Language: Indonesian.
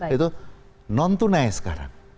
itu non tunai sekarang